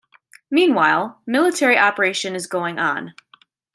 Meanwhile, military operation is going on.